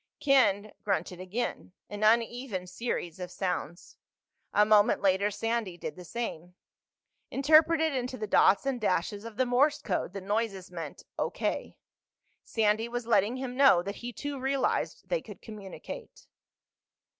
Ken grunted again—an uneven series of sounds. A moment later Sandy did the same. Interpreted into the dots and dashes of the Morse code, the noises meant "O.K." Sandy was letting him know that he too realized they could communicate.